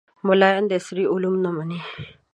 ملایان عصري علوم نه مني